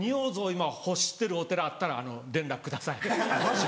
今欲してるお寺あったら連絡ください。